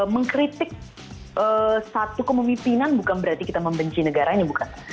mengkritik satu kepemimpinan bukan berarti kita membenci negaranya bukan